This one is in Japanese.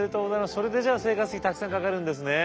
それでじゃあ生活費たくさんかかるんですね。